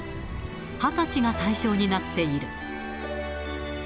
２０歳が対象になっている。